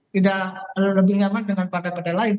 tidak lebih nyaman dengan partai partai lain